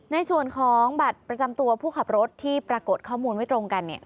ในส่วนของบัตรประจำตัวผู้ขับรถที่ปรากฏข้อมูลไม่ตรงกัน